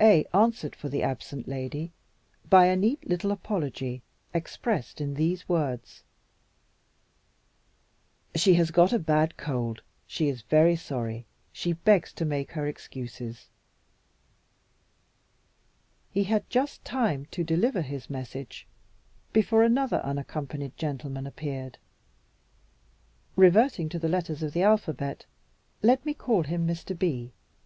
A answered for the absent lady by a neat little apology, expressed in these words: "She has got a bad cold. She is very sorry. She begs me to make her excuses." He had just time to deliver his message, before another unaccompanied gentleman appeared. Reverting to the letters of the alphabet, let me call him Mr. B.